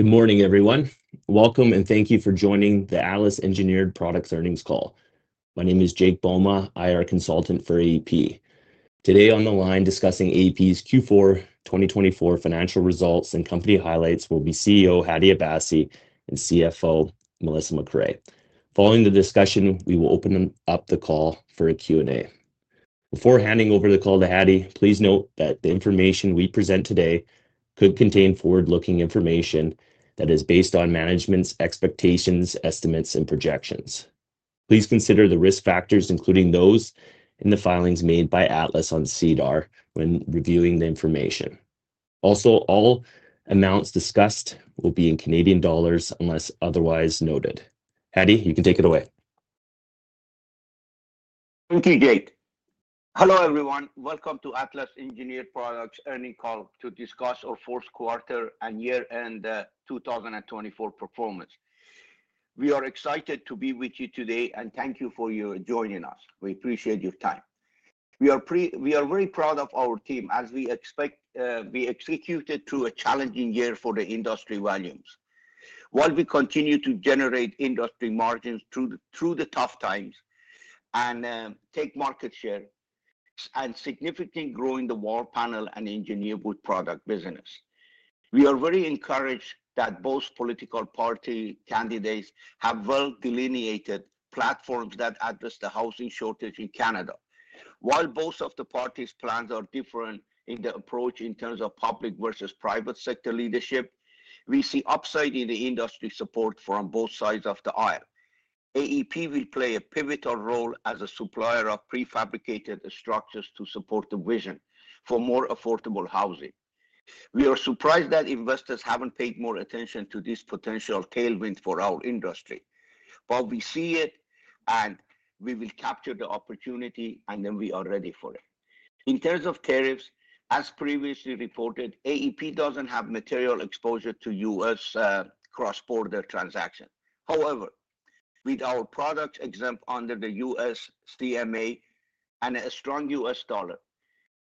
Good morning, everyone. Welcome, and thank you for joining the Atlas Engineered Products earnings call. My name is Jake Bouma. I'm a consultant for AEP. Today on the line discussing AEP's Q4 2024 financial results and company highlights will be CEO Hadi Abassi and CFO Melissa MacRae. Following the discussion, we will open up the call for a Q&A. Before handing over the call to Hadi, please note that the information we present today could contain forward-looking information that is based on management's expectations, estimates, and projections. Please consider the risk factors, including those in the filings made by Atlas on SEDAR, when reviewing the information. Also, all amounts discussed will be in CAD unless otherwise noted. Hadi, you can take it away. Thank you, Jake. Hello, everyone. Welcome to Atlas Engineered Products' earnings call to discuss our fourth quarter and year-end 2024 performance. We are excited to be with you today, and thank you for joining us. We appreciate your time. We are very proud of our team, as we expect we executed through a challenging year for the industry volumes. While we continue to generate industry margins through the tough times and take market share, and significantly growing the wall panel and engineered wood product business, we are very encouraged that both political party candidates have well-delineated platforms that address the housing shortage in Canada. While both of the parties' plans are different in the approach in terms of public versus private sector leadership, we see upside in the industry support from both sides of the aisle. AEP will play a pivotal role as a supplier of prefabricated structures to support the vision for more affordable housing. We are surprised that investors have not paid more attention to this potential tailwind for our industry, but we see it, and we will capture the opportunity, and we are ready for it. In terms of tariffs, as previously reported, AEP does not have material exposure to U.S. cross-border transactions. However, with our products exempt under the U.S. CMA and a strong U.S. dollar,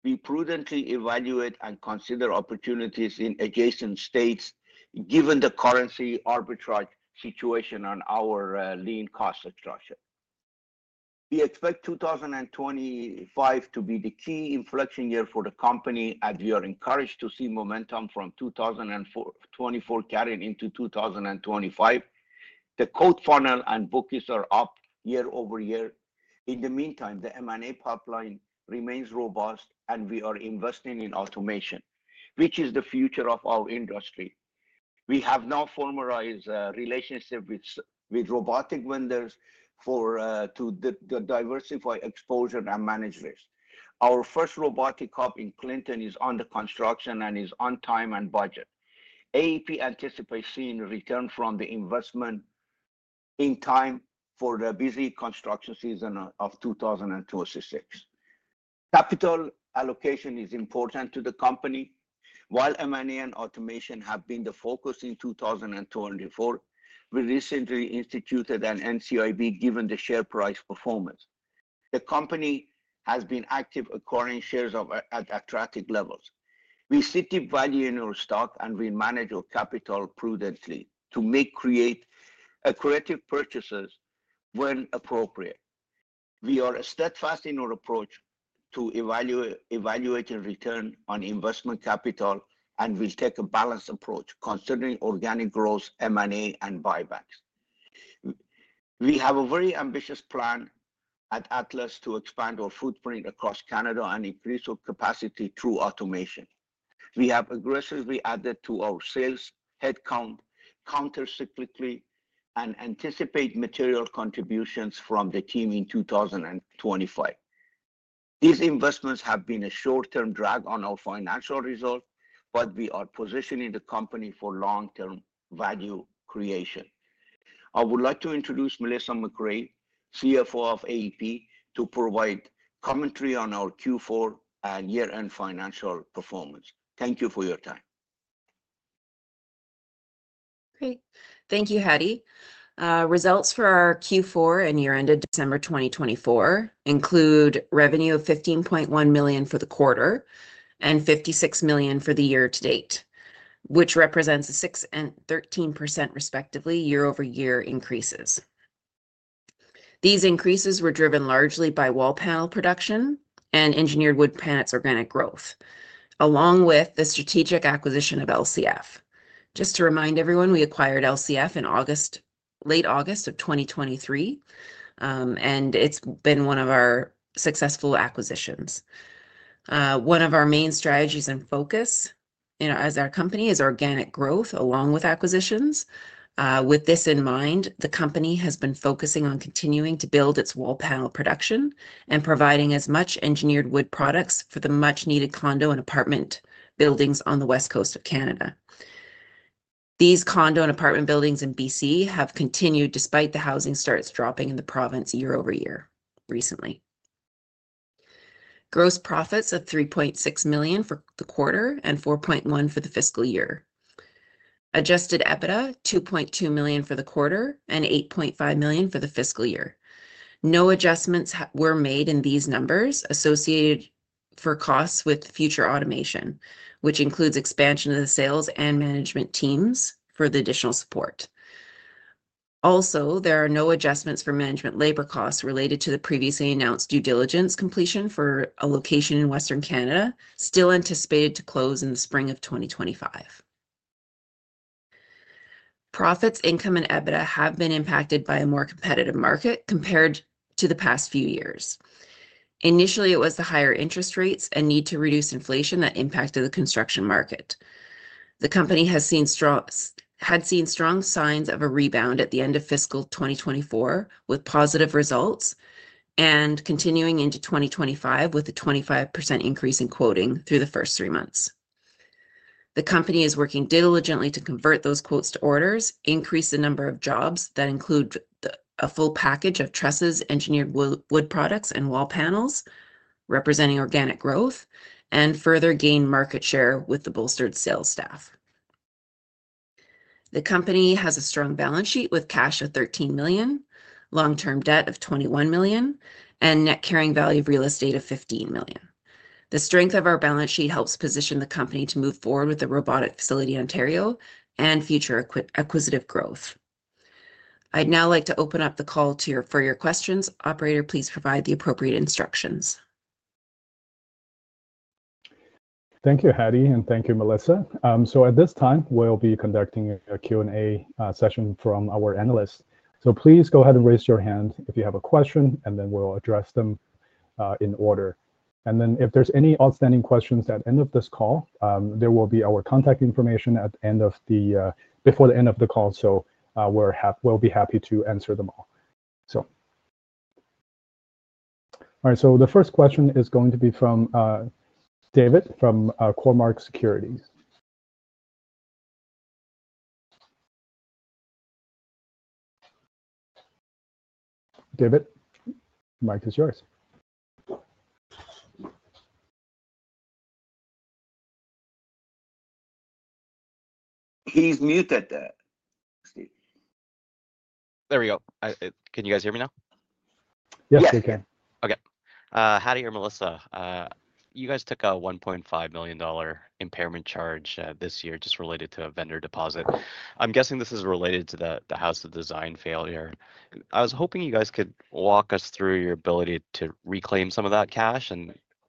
we prudently evaluate and consider opportunities in adjacent states given the currency arbitrage situation on our lean cost structure. We expect 2025 to be the key inflection year for the company, as we are encouraged to see momentum from 2024 carrying into 2025. The code funnel and bookings are up year over year. In the meantime, the M&A pipeline remains robust, and we are investing in automation, which is the future of our industry. We have now formalized a relationship with robotic vendors to diversify exposure and manage risks. Our first robotic hub in Clinton is under construction and is on time and budget. AEP anticipates seeing a return from the investment in time for the busy construction season of 2026. Capital allocation is important to the company. While M&A and automation have been the focus in 2024, we recently instituted an NCIB given the share price performance. The company has been active acquiring shares at attractive levels. We see deep value in our stock, and we manage our capital prudently to create accurate purchases when appropriate. We are steadfast in our approach to evaluating return on investment capital, and we'll take a balanced approach considering organic growth, M&A, and buybacks. We have a very ambitious plan at Atlas to expand our footprint across Canada and increase our capacity through automation. We have aggressively added to our sales headcount countercyclically and anticipate material contributions from the team in 2025. These investments have been a short-term drag on our financial results, but we are positioning the company for long-term value creation. I would like to introduce Melissa MacRae, CFO of AEP, to provide commentary on our Q4 and year-end financial performance. Thank you for your time. Great. Thank you, Hadi. Results for our Q4 and year-end of December 2024 include revenue of 15.1 million for the quarter and 56 million for the year to date, which represents a 6% and 13% respectively year-over-year increases. These increases were driven largely by wall panel production and engineered wood plant's organic growth, along with the strategic acquisition of LCF. Just to remind everyone, we acquired LCF in late August of 2023, and it's been one of our successful acquisitions. One of our main strategies and focus as our company is organic growth along with acquisitions. With this in mind, the company has been focusing on continuing to build its wall panel production and providing as much engineered wood products for the much-needed condo and apartment buildings on the West Coast of Canada. These condo and apartment buildings in BC have continued despite the housing starts dropping in the province year over year recently. Gross profits of 3.6 million for the quarter and 4.1 million for the fiscal year. Adjusted EBITDA: 2.2 million for the quarter and 8.5 million for the fiscal year. No adjustments were made in these numbers associated for costs with future automation, which includes expansion of the sales and management teams for the additional support. Also, there are no adjustments for management labor costs related to the previously announced due diligence completion for a location in Western Canada, still anticipated to close in the spring of 2025. Profits, income, and EBITDA have been impacted by a more competitive market compared to the past few years. Initially, it was the higher interest rates and need to reduce inflation that impacted the construction market. The company had seen strong signs of a rebound at the end of fiscal 2024 with positive results and continuing into 2025 with a 25% increase in quoting through the first three months. The company is working diligently to convert those quotes to orders, increase the number of jobs that include a full package of trusses, engineered wood products, and wall panels representing organic growth, and further gain market share with the bolstered sales staff. The company has a strong balance sheet with cash of 13 million, long-term debt of 21 million, and net carrying value of real estate of 15 million. The strength of our balance sheet helps position the company to move forward with the robotic facility in Ontario and future acquisitive growth. I'd now like to open up the call for your questions. Operator, please provide the appropriate instructions. Thank you, Hadi, and thank you, Melissa. At this time, we will be conducting a Q&A session from our analysts. Please go ahead and raise your hand if you have a question, and we will address them in order. If there are any outstanding questions at the end of this call, there will be our contact information before the end of the call, so we will be happy to answer them all. All right, the first question is going to be from David from Cormark Securities. David, the mic is yours. He's muted, Steve. There we go. Can you guys hear me now? Yes, we can. Okay. Hadi, or Melissa, you guys took a 1.5 million dollar impairment charge this year just related to a vendor deposit. I'm guessing this is related to the House of Design failure. I was hoping you guys could walk us through your ability to reclaim some of that cash.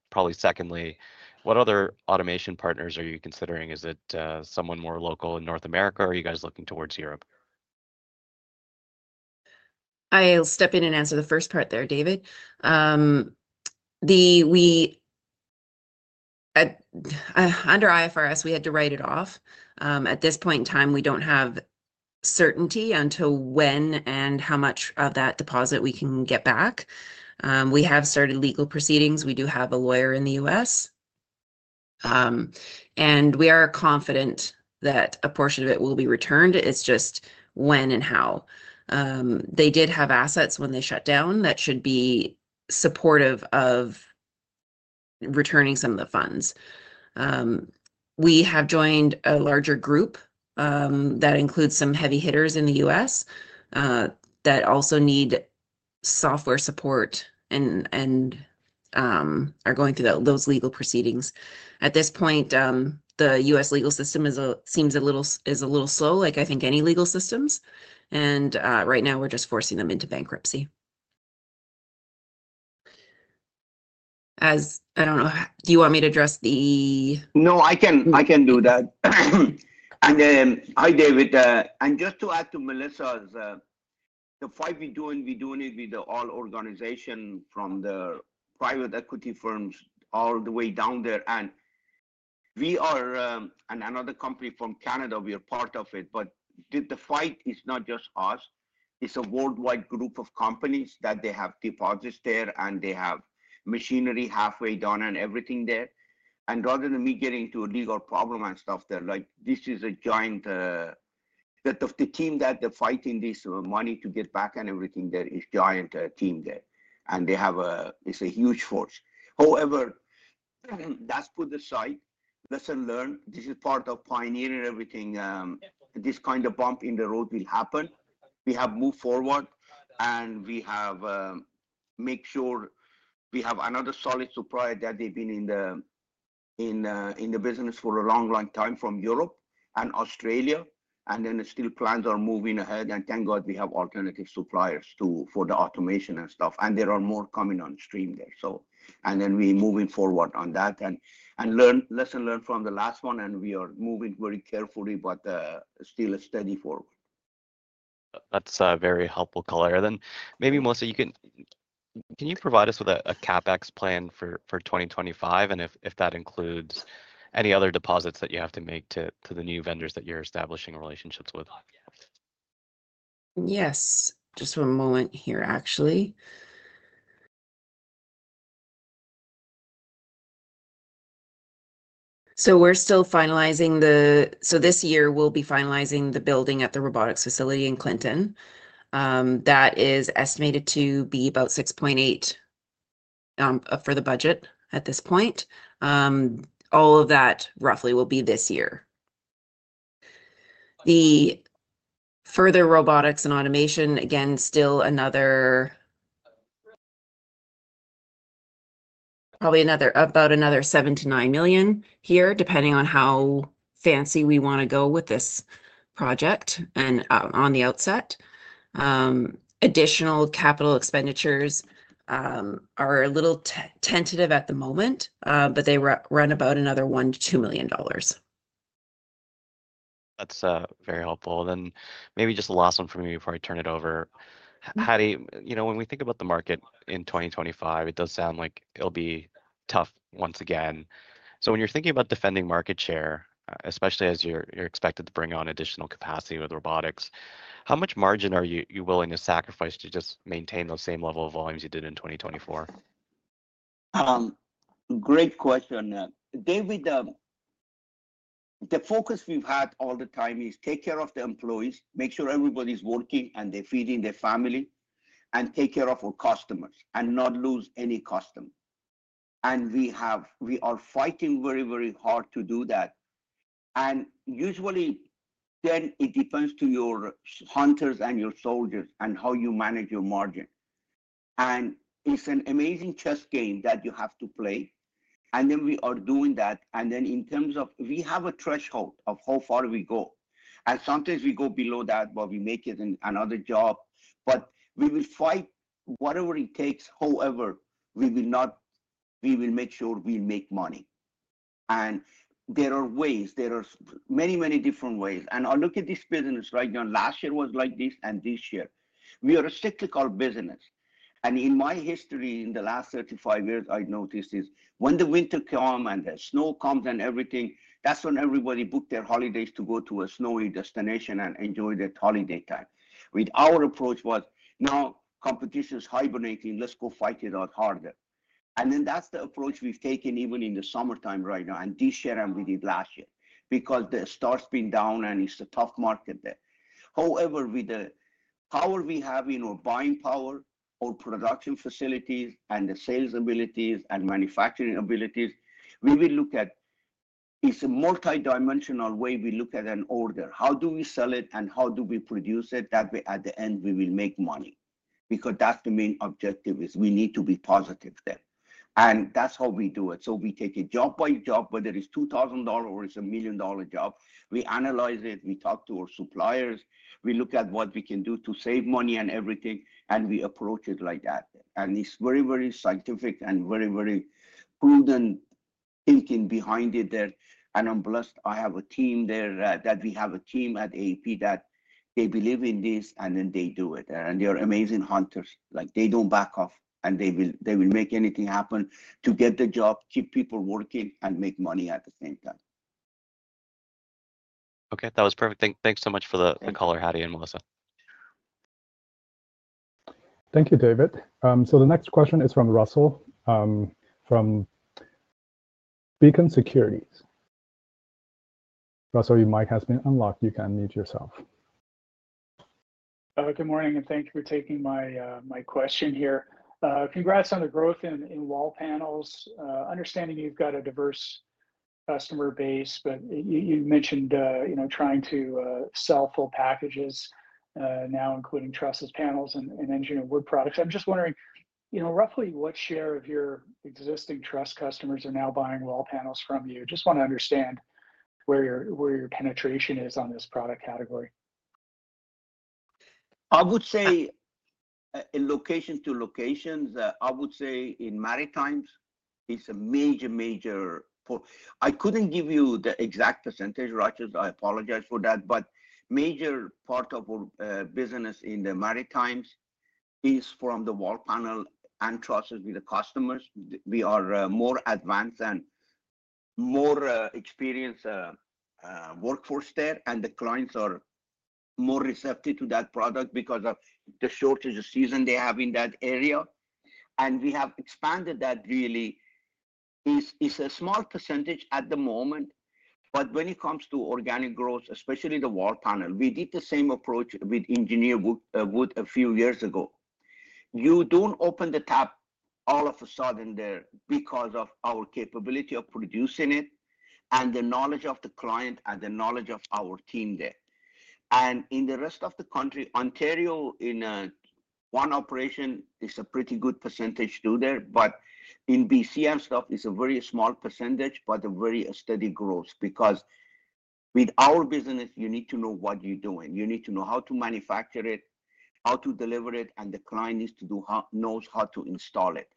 Probably secondly, what other automation partners are you considering? Is it someone more local in North America, or are you guys looking towards Europe? I'll step in and answer the first part there, David. Under IFRS, we had to write it off. At this point in time, we don't have certainty until when and how much of that deposit we can get back. We have started legal proceedings. We do have a lawyer in the U.S. and we are confident that a portion of it will be returned. It's just when and how. They did have assets when they shut down that should be supportive of returning some of the funds. We have joined a larger group that includes some heavy hitters in the U.S. that also need software support and are going through those legal proceedings. At this point, the U.S. legal system seems a little slow, like I think any legal systems. Right now, we're just forcing them into bankruptcy. I don't know. Do you want me to address the? No, I can do that. Hi, David. Just to add to Melissa's, the fight we're doing, we're doing it with all organizations from the private equity firms all the way down there. We are another company from Canada. We are part of it. The fight is not just us. It's a worldwide group of companies that have deposits there, and they have machinery halfway done and everything there. Rather than me getting into a legal problem and stuff there, this is a giant that the team that they're fighting this money to get back and everything there is a giant team there. It's a huge force. However, that's put aside. Lesson learned. This is part of pioneering everything. This kind of bump in the road will happen. We have moved forward, and we have made sure we have another solid supplier that they've been in the business for a long, long time from Europe and Australia. Plans are moving ahead. Thank God we have alternative suppliers for the automation and stuff. There are more coming on stream there. We are moving forward on that. Lesson learned from the last one, and we are moving very carefully, but still a steady forward. That's a very helpful color. Maybe, Melissa, can you provide us with a CapEx plan for 2025 and if that includes any other deposits that you have to make to the new vendors that you're establishing relationships with? Yes. Just one moment here, actually. We are still finalizing the building at the robotics facility in Clinton. That is estimated to be about 6.8 million for the budget at this point. All of that roughly will be this year. The further robotics and automation, again, still another probably about another 7-9 million here, depending on how fancy we want to go with this project and on the outset. Additional capital expenditures are a little tentative at the moment, but they run about another 1-2 million dollars. That's very helpful. Maybe just the last one for me before I turn it over. Hadi, when we think about the market in 2025, it does sound like it'll be tough once again. When you're thinking about defending market share, especially as you're expected to bring on additional capacity with robotics, how much margin are you willing to sacrifice to just maintain those same level of volumes you did in 2024? Great question. David, the focus we've had all the time is take care of the employees, make sure everybody's working and they're feeding their family, and take care of our customers and not lose any customers. We are fighting very, very hard to do that. Usually, it depends on your hunters and your soldiers and how you manage your margin. It's an amazing chess game that you have to play. We are doing that. In terms of we have a threshold of how far we go. Sometimes we go below that, but we make it in another job. We will fight whatever it takes. However, we will make sure we make money. There are ways. There are many, many different ways. I look at this business right now. Last year was like this and this year. We are a cyclical business. In my history in the last 35 years, I noticed is when the winter comes and the snow comes and everything, that's when everybody booked their holidays to go to a snowy destination and enjoy that holiday time. Our approach was, now competition is hibernating. Let's go fight it out harder. That's the approach we've taken even in the summertime right now. This year and we did last year because the stock's been down and it's a tough market there. However, with the power we have in our buying power, our production facilities, and the sales abilities and manufacturing abilities, we will look at it's a multidimensional way we look at an order. How do we sell it and how do we produce it that way at the end we will make money? Because that's the main objective is we need to be positive there. That's how we do it. We take a job by job, whether it's 2,000 dollars or it's a 1 million dollar job. We analyze it. We talk to our suppliers. We look at what we can do to save money and everything, and we approach it like that. It is very, very scientific and very, very prudent thinking behind it there. I'm blessed. I have a team there that we have a team at AEP that they believe in this, and then they do it. They are amazing hunters. They don't back off, and they will make anything happen to get the job, keep people working, and make money at the same time. Okay. That was perfect. Thanks so much for the call, Hadi and Melissa. Thank you, David. The next question is from Russell from Beacon Securities. Russell, your mic has been unlocked. You can unmute yourself. Good morning, and thank you for taking my question here. Congrats on the growth in wall panels. Understanding you've got a diverse customer base, but you mentioned trying to sell full packages now, including trusses, panels, and engineered wood products. I'm just wondering, roughly what share of your existing truss customers are now buying wall panels from you? Just want to understand where your penetration is on this product category. I would say in location to locations, I would say in Maritimes, it's a major, major, I couldn't give you the exact percentage, Rogers. I apologize for that. Major part of our business in the Maritimes is from the wall panel and trusses with the customers. We are more advanced and more experienced workforce there, and the clients are more receptive to that product because of the shortage of season they have in that area. We have expanded that really. It's a small percentage at the moment, but when it comes to organic growth, especially the wall panel, we did the same approach with engineered wood a few years ago. You don't open the tap all of a sudden there because of our capability of producing it and the knowledge of the client and the knowledge of our team there. In the rest of the country, Ontario, in one operation, it's a pretty good percentage to there. In BC and stuff, it's a very small percentage, but a very steady growth because with our business, you need to know what you're doing. You need to know how to manufacture it, how to deliver it, and the client needs to know how to install it.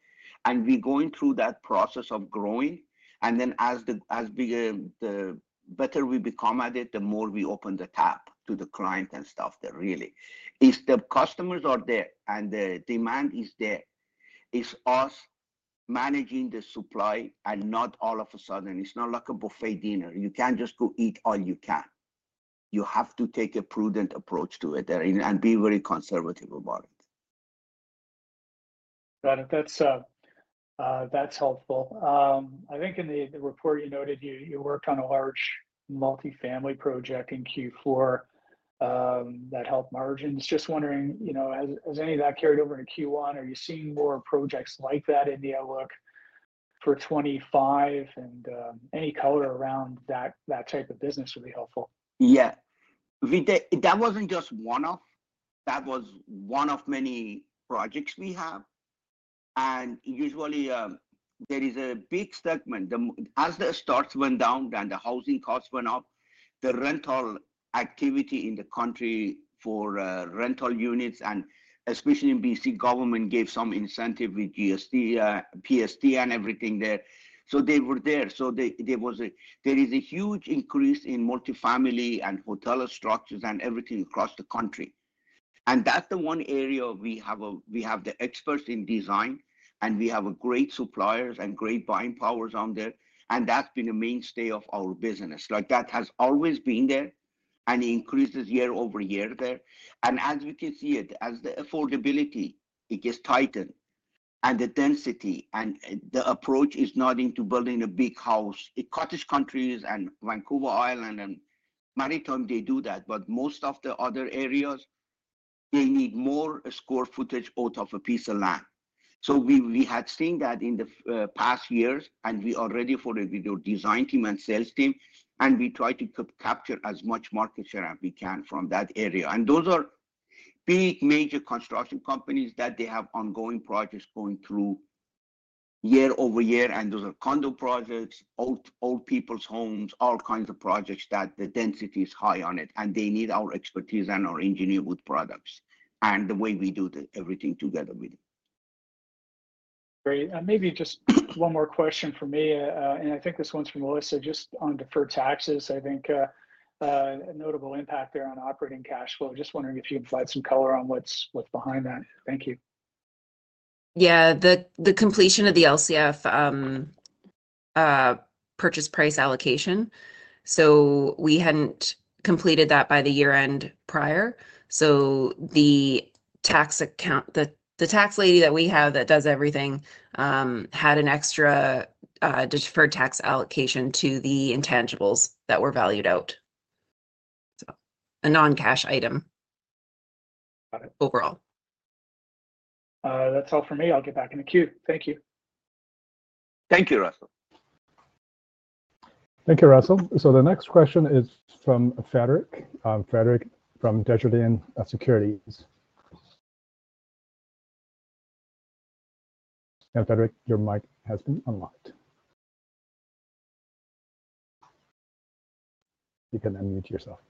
We're going through that process of growing. The better we become at it, the more we open the tap to the client and stuff there, really. If the customers are there and the demand is there, it's us managing the supply and not all of a sudden. It's not like a buffet dinner. You can't just go eat all you can. You have to take a prudent approach to it and be very conservative about it. Got it. That's helpful. I think in the report you noted, you worked on a large multifamily project in Q4 that helped margins. Just wondering, has any of that carried over into Q1? Are you seeing more projects like that in the outlook for 2025? Any color around that type of business would be helpful. Yeah. That wasn't just one of, that was one of many projects we have. Usually, there is a big segment. As the stocks went down and the housing costs went up, the rental activity in the country for rental units, and especially in BC, government gave some incentive with GST, PST, and everything there. They were there. There is a huge increase in multifamily and hotel structures and everything across the country. That's the one area we have the experts in design, and we have great suppliers and great buying powers on there. That's been a mainstay of our business. That has always been there and increases year over year there. As we can see it, as the affordability, it gets tightened. The density and the approach is not into building a big house. Cottage countries and Vancouver Island and Maritimes, they do that. Most of the other areas, they need more square footage out of a piece of land. We had seen that in the past years, and we are ready for it with our design team and sales team. We try to capture as much market share as we can from that area. Those are big, major construction companies that have ongoing projects going through year over year. Those are condo projects, old people's homes, all kinds of projects that the density is high on it. They need our expertise and our engineered wood products and the way we do everything together with them. Great. Maybe just one more question for me. I think this one's for Melissa just on deferred taxes. I think a notable impact there on operating cash flow. Just wondering if you can provide some color on what's behind that. Thank you. Yeah. The completion of the LCF purchase price allocation. We had not completed that by the year-end prior. The tax account, the tax lady that we have that does everything, had an extra deferred tax allocation to the intangibles that were valued out. A non-cash item overall. That's all for me. I'll get back in the queue. Thank you. Thank you, Russell. Thank you, Russell. The next question is from Frederick. Frederick from Desjardins Securities. Frederick, your mic has been unlocked. You can unmute yourself.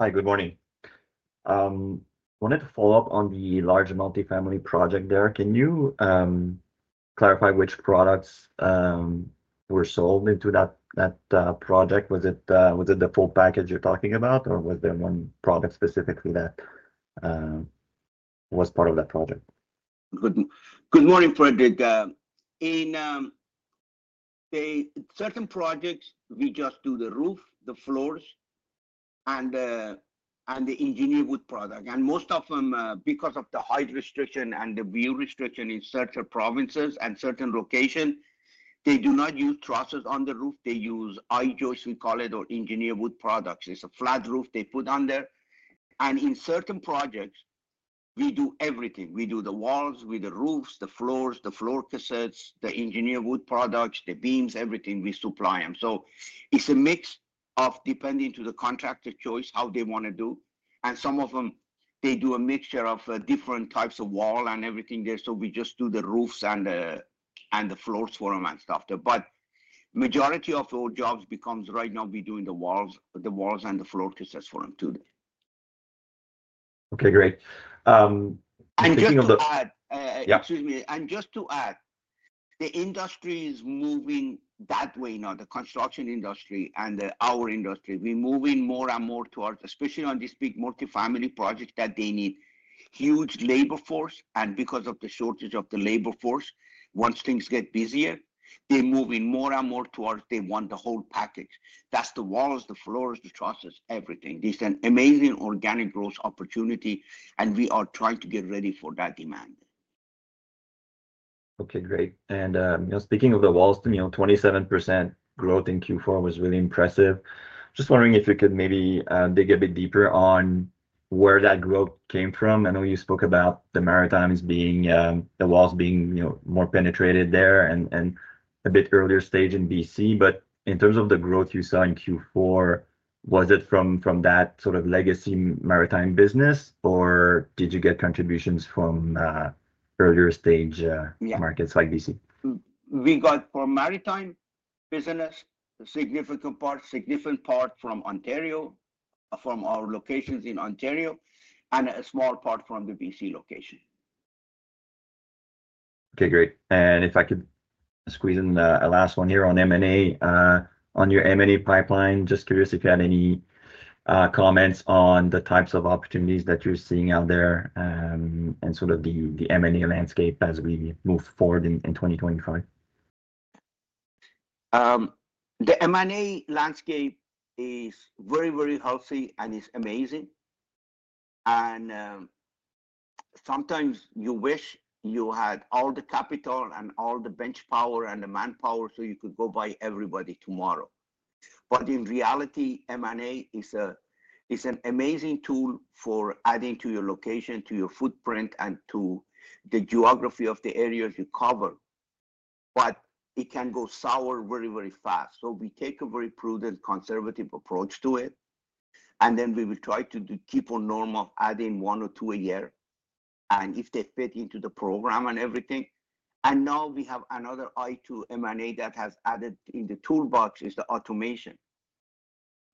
Hi, good morning. I wanted to follow up on the large multifamily project there. Can you clarify which products were sold into that project? Was it the full package you are talking about, or was there one product specifically that was part of that project? Good morning, Frederick. In certain projects, we just do the roof, the floors, and the engineered wood product. Most of them, because of the height restriction and the view restriction in certain provinces and certain locations, do not use trusses on the roof. They use I-joists, we call it, or engineered wood products. It is a flat roof they put on there. In certain projects, we do everything. We do the walls with the roofs, the floors, the floor cassettes, the engineered wood products, the beams, everything we supply them. It is a mix depending on the contractor's choice, how they want to do. Some of them do a mixture of different types of wall and everything there. We just do the roofs and the floors for them and stuff. The majority of our jobs becomes right now we're doing the walls and the floor cassettes for them too. Okay, great. Just to add, excuse me. Just to add, the industry is moving that way now, the construction industry and our industry. We are moving more and more towards, especially on these big multifamily projects that they need huge labor force. Because of the shortage of the labor force, once things get busier, they are moving more and more towards they want the whole package. That is the walls, the floors, the trusses, everything. It is an amazing organic growth opportunity, and we are trying to get ready for that demand. Okay, great. Speaking of the walls, 27% growth in Q4 was really impressive. Just wondering if you could maybe dig a bit deeper on where that growth came from. I know you spoke about the Maritimes being the walls being more penetrated there and a bit earlier stage in BC. In terms of the growth you saw in Q4, was it from that sort of legacy Maritime business, or did you get contributions from earlier stage markets like BC? We got from Maritimes business, a significant part, significant part from Ontario, from our locations in Ontario, and a small part from the BC location. Okay, great. If I could squeeze in a last one here on M&A. On your M&A pipeline, just curious if you had any comments on the types of opportunities that you're seeing out there and sort of the M&A landscape as we move forward in 2025. The M&A landscape is very, very healthy and is amazing. Sometimes you wish you had all the capital and all the bench power and the manpower so you could go buy everybody tomorrow. In reality, M&A is an amazing tool for adding to your location, to your footprint, and to the geography of the areas you cover. It can go sour very, very fast. We take a very prudent, conservative approach to it. We will try to keep on normal adding one or two a year if they fit into the program and everything. Now we have another I2 M&A that has added in the toolbox is the automation.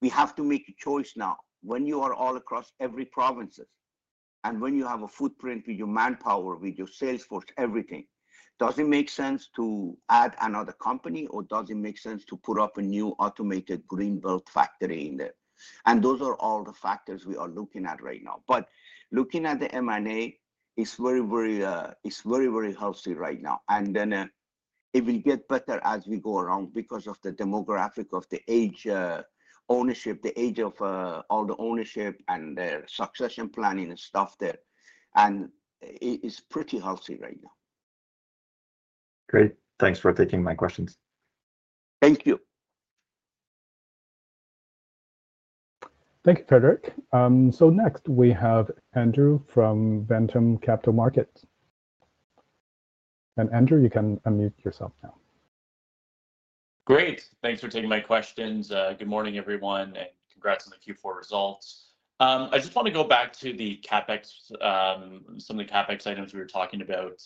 We have to make a choice now. When you are all across every province and when you have a footprint with your manpower, with your salesforce, everything, does it make sense to add another company or does it make sense to put up a new automated green belt factory in there? Those are all the factors we are looking at right now. Looking at the M&A, it's very, very healthy right now. It will get better as we go around because of the demographic of the age ownership, the age of all the ownership and the succession planning and stuff there. It's pretty healthy right now. Great. Thanks for taking my questions. Thank you. Thank you, Frederick. Next, we have Andrew from Ventum Capital Markets. Andrew, you can unmute yourself now. Great. Thanks for taking my questions. Good morning, everyone, and congrats on the Q4 results. I just want to go back to the CapEx, some of the CapEx items we were talking about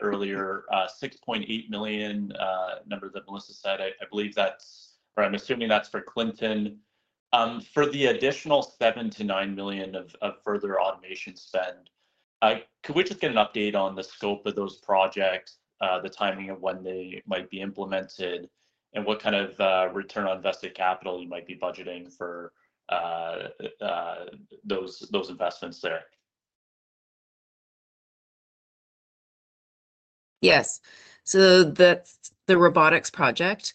earlier, 6.8 million number that Melissa said. I believe that's or I'm assuming that's for Clinton. For the additional 7-9 million of further automation spend, could we just get an update on the scope of those projects, the timing of when they might be implemented, and what kind of return on invested capital you might be budgeting for those investments there? Yes. That is the robotics project.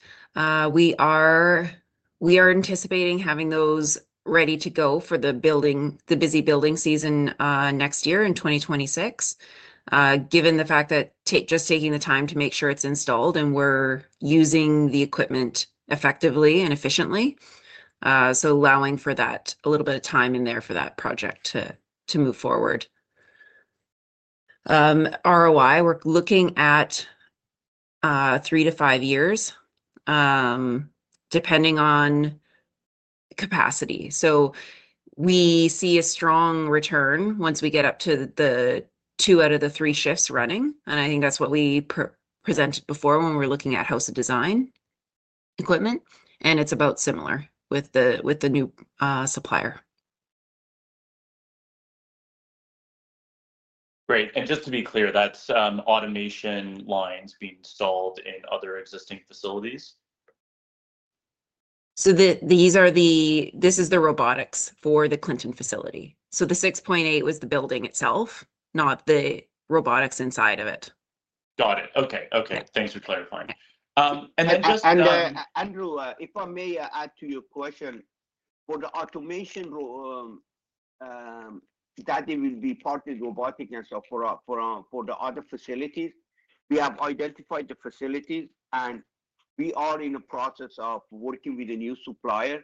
We are anticipating having those ready to go for the busy building season next year in 2026, given the fact that just taking the time to make sure it is installed and we are using the equipment effectively and efficiently. Allowing for that little bit of time in there for that project to move forward. ROI, we are looking at three to five years depending on capacity. We see a strong return once we get up to two out of the three shifts running. I think that is what we presented before when we were looking at House of Design equipment. It is about similar with the new supplier. Great. Just to be clear, that's automation lines being installed in other existing facilities? This is the robotics for the Clinton facility. The 6.8 was the building itself, not the robotics inside of it. Got it. Okay. Thanks for clarifying. Just. Andrew, if I may add to your question, for the automation that will be partly robotic and stuff for the other facilities, we have identified the facilities, and we are in the process of working with a new supplier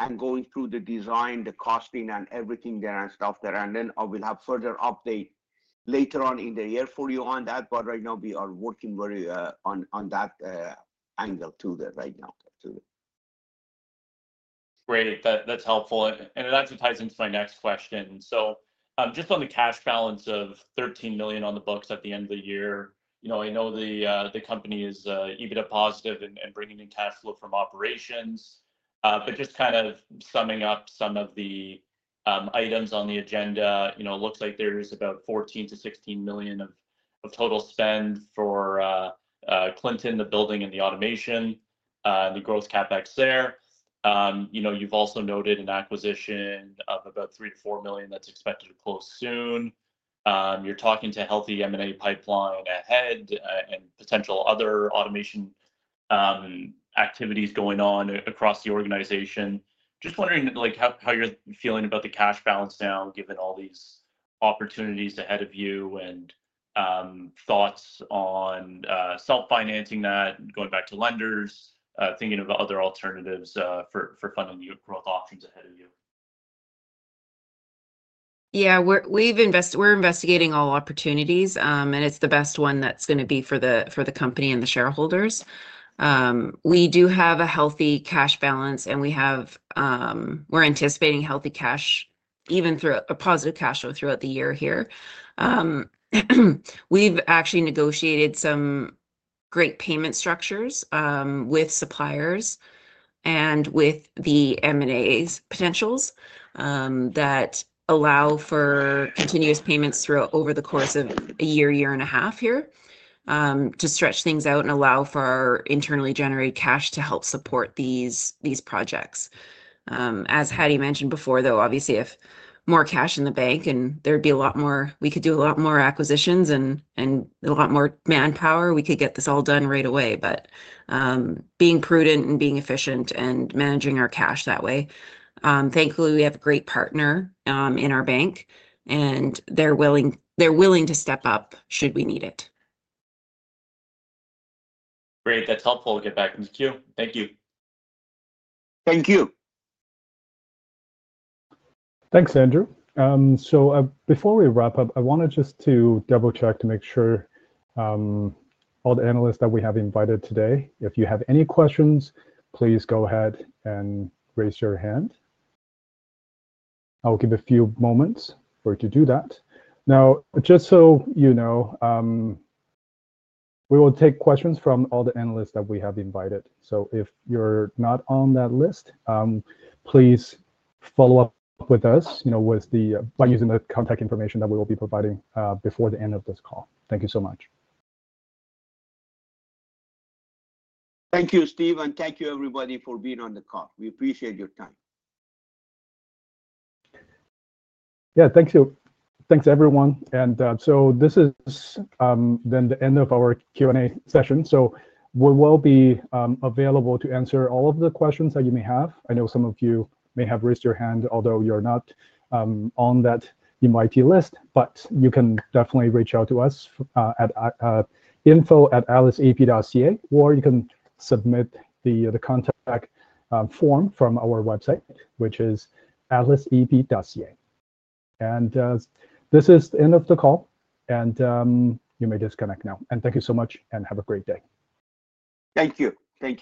and going through the design, the costing, and everything there and stuff there. I will have further update later on in the year for you on that. Right now, we are working on that angle too right now. Great. That's helpful. That ties into my next question. Just on the cash balance of 13 million on the books at the end of the year, I know the company is EBITDA positive and bringing in cash flow from operations. Just kind of summing up some of the items on the agenda, it looks like there's about 14-16 million of total spend for Clinton, the building, and the automation, the growth CapEx there. You've also noted an acquisition of about 3-4 million that's expected to close soon. You're talking to a healthy M&A pipeline ahead and potential other automation activities going on across the organization. Just wondering how you're feeling about the cash balance now, given all these opportunities ahead of you, and thoughts on self-financing that, going back to lenders, thinking about other alternatives for funding your growth options ahead of you. Yeah. We're investigating all opportunities, and it's the best one that's going to be for the company and the shareholders. We do have a healthy cash balance, and we're anticipating healthy cash, even a positive cash flow throughout the year here. We've actually negotiated some great payment structures with suppliers and with the M&A potentials that allow for continuous payments over the course of a year, year and a half here to stretch things out and allow for our internally generated cash to help support these projects. As Hadi mentioned before, though, obviously, if more cash in the bank, and there'd be a lot more we could do a lot more acquisitions and a lot more manpower, we could get this all done right away. Being prudent and being efficient and managing our cash that way. Thankfully, we have a great partner in our bank, and they're willing to step up should we need it. Great. That's helpful. We'll get back in the queue. Thank you. Thank you. Thanks, Andrew. Before we wrap up, I wanted just to double-check to make sure all the analysts that we have invited today, if you have any questions, please go ahead and raise your hand. I'll give a few moments for you to do that. Now, just so you know, we will take questions from all the analysts that we have invited. If you're not on that list, please follow up with us by using the contact information that we will be providing before the end of this call. Thank you so much. Thank you, Steve, and thank you, everybody, for being on the call. We appreciate your time. Yeah, thank you. Thanks, everyone. This is then the end of our Q&A session. We will be available to answer all of the questions that you may have. I know some of you may have raised your hand, although you're not on that MIT list, but you can definitely reach out to us at info@atlasep.ca, or you can submit the contact form from our website, which is atlasep.ca. This is the end of the call, and you may disconnect now. Thank you so much, and have a great day. Thank you. Thank you.